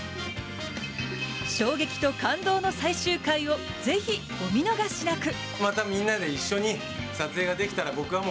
衝撃と感動の最終回をぜひ、お見逃しなく！